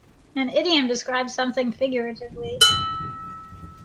An idiom describes something figuratively.